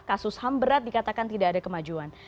kasus ham berat dikatakan tidak ada kemajuan